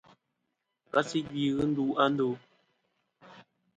Kasi gvi ghɨ ndu a ndo.